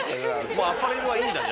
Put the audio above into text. もうアパレルはいいんだ？